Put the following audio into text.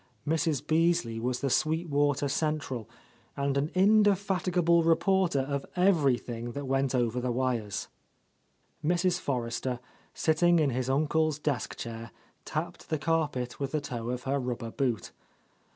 Mrs. Beasley was the Sweet Water central, and an in defatigable reporter of everything that went over the wires. Mrs. Forrester, sitting in his uncle's desk chair, tapped the carpet with the toe of her rubber boot.